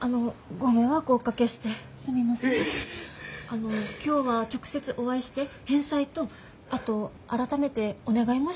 あの今日は直接お会いして返済とあと改めてお願いもしたいと思いまして。